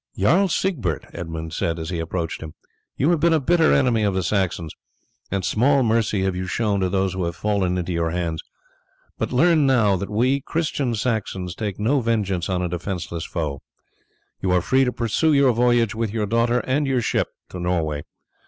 "Jarl Siegbert," Edmund said as he approached him, "you have been a bitter enemy of the Saxons, and small mercy have you shown to those who have fallen into your hands, but learn now that we Christian Saxons take no vengeance on a defenceless foe. You are free to pursue your voyage with your daughter and your ship to Norway.